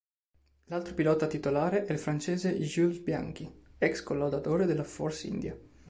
L'altro pilota titolare è il francese Jules Bianchi, ex collaudatore della Force India.